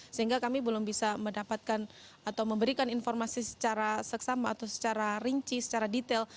sehingga kami belum bisa mendapatkan atau memberikan informasi secara seksama atau secara rinci secara detail